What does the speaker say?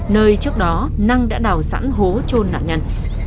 nơi trước đó năng đã đào sẵn hố trôn nạn nhân